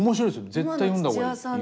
絶対読んだ方がいい。